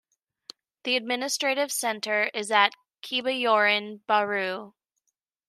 The administrative centre is at Kebayoran Baru.